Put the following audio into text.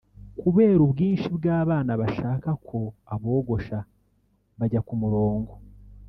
kubera ubwinshi bw’ababa bashaka ko abogosha bajya ku murongo